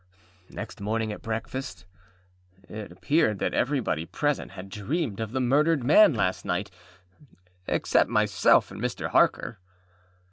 Next morning at breakfast, it appeared that everybody present had dreamed of the murdered man last night, except myself and Mr. Harker.